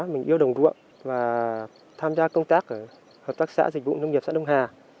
mình yêu đồng ruộng và tham gia công tác ở hợp tác xã dịch vụ nông nghiệp xã đông hà